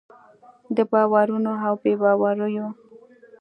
د باورونو او بې باوریو